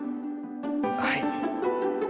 はい。